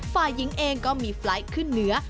ฝ่ายหญิงเองก็มีไฟล์ทขึ้นเหนือ